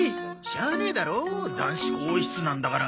しゃあねえだろ男子更衣室なんだから。